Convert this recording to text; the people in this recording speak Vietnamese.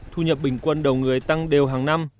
thu nhập bình quân đầu người tăng đều hàng năm